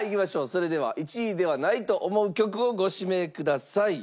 それでは１位ではないと思う曲をご指名ください。